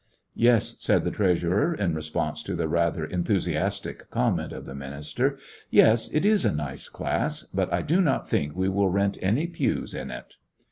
"Yes," said the treasurer, in response to the rather enthusiastic com ment of the minister, "yes, it is a nice class, but I do not think we will rent any pews in it."